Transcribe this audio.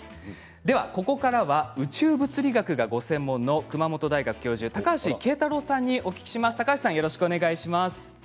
では、ここからは宇宙物理学がご専門の熊本大学教授高橋慶太郎さんにお答えします。